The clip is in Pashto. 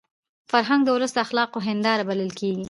فرهنګ د ولس د اخلاقو هنداره بلل کېږي.